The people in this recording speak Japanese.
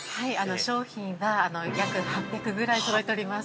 ◆商品は、約８００ぐらいそろえております。